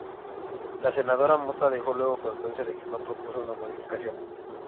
La Senadora Mota dejó luego constancia de que no propuso una modificación.